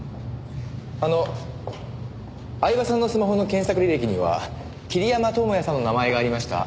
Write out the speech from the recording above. あの饗庭さんのスマホの検索履歴には桐山友哉さんの名前がありました。